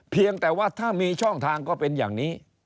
เพียงแต่ว่าถ้ามีช่องทางก็เป็นอย่างนี้